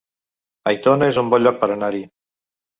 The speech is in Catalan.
Aitona es un bon lloc per anar-hi